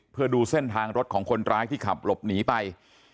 เพื่อดูเส้นทางรถของคนร้ายที่ขับหลบหนีไป